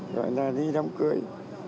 rồi là đi đông cưới